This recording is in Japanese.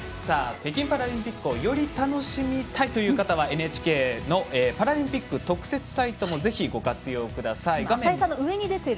北京パラリンピックをより楽しみたいという方はＮＨＫのパラリンピック特設サイトもぜひご活用ください。